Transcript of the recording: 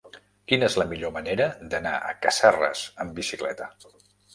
Quina és la millor manera d'anar a Casserres amb bicicleta?